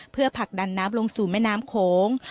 เพื่อผลักดันน้ำลงสู่แม่น้ำโขง